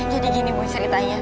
jadi gini ibu ceritanya